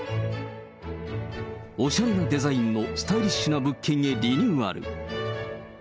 おしゃれなデザインのスタイリッシュな物件にリニューアル。